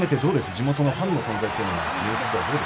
地元のファンの声援というのは。